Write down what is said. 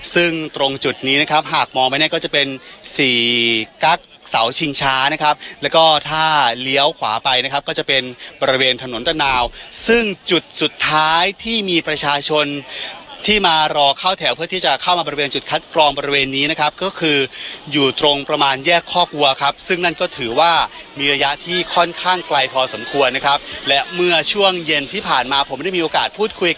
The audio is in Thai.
ซึ่งตรงจุดนี้นะครับหากมองไปเนี่ยก็จะเป็นสี่กั๊กเสาชิงช้านะครับแล้วก็ถ้าเลี้ยวขวาไปนะครับก็จะเป็นบริเวณถนนตะนาวซึ่งจุดสุดท้ายที่มีประชาชนที่มารอเข้าแถวเพื่อที่จะเข้ามาบริเวณจุดคัดกรองบริเวณนี้นะครับก็คืออยู่ตรงประมาณแยกข้อกลัวครับซึ่งนั่นก็ถือว่ามีระยะที่ค่อนข้างไกลพอส